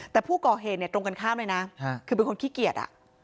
แต่ผู้ก่อเหตุเนี่ยตรงกันข้ามเลยนะคือเป็นคนขี้เกียจ